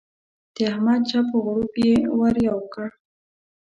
د احمد چپ و غړوپ يې ور یو کړ.